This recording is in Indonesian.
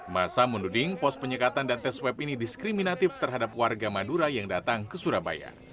masa menuding pos penyekatan dan tes web ini diskriminatif terhadap warga madura yang datang ke surabaya